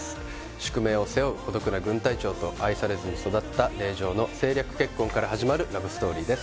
宿命を背負う孤独な軍隊長と愛されずに育った令嬢の政略結婚から始まるラブストーリーです